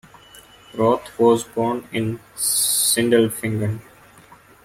Roth was born in Sindelfingen.